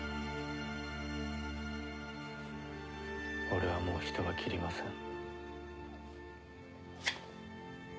俺はもう人は斬りません。